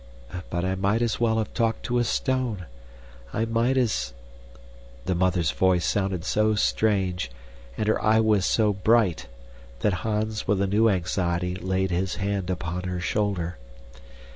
But I might as well have talked to a stone. I might as " The mother's voice sounded so strange, and her eye was so bright, that Hans, with a new anxiety, laid his hand upon her shoulder.